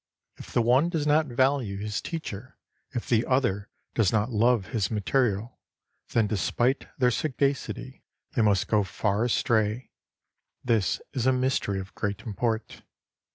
If the one does not value his teacher, if the other does not love his material, then despite their sagacity they must go far astray. This is a mystery of great import.